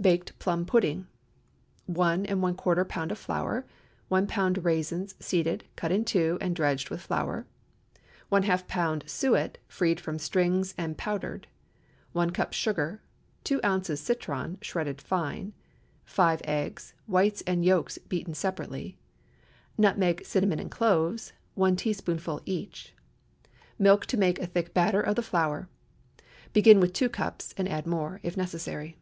BAKED PLUM PUDDING. 1¼ lb. of flour. 1 lb. raisins seeded, cut in two, and dredged with flour. ½ lb. suet, freed from strings and powdered. 1 cup sugar. 2 oz. citron, shred fine. 5 eggs—whites and yolks beaten separately. Nutmeg, cinnamon, and cloves—one teaspoonful each. Milk to make a thick batter of the flour. Begin with two cups, and add more if necessary.